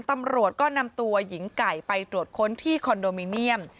ตำรวจก็นำตัวหญิงไก่ไปตรวจค้นที่คอนโดมิเนียม